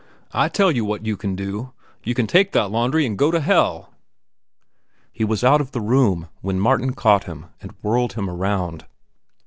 I tell you what you can do. You can take that laundry an' go to hell." He was out of the room when Martin caught him and whirled him around.